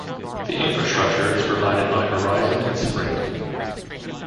The infrastructure is provided by Verizon and Sprint.